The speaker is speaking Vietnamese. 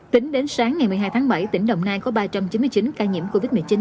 tính đến sáng ngày một mươi hai tháng bảy tỉnh đồng nai có ba trăm chín mươi chín ca nhiễm covid một mươi chín